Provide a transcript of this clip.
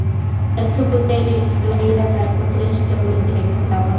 একটুকুতেই এলাইয়া যাই, কত চেষ্টা করি যে, খালি আপনার ভাবনা ভাবি।